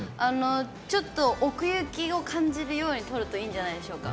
ちょっと奥行きを感じるように撮るといいんじゃないでしょうか。